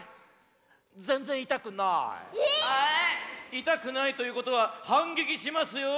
えっ⁉いたくないということははんげきしますよ。